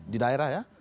di daerah ya